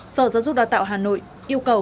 sở giáo dục đào tạo hà nội yêu cầu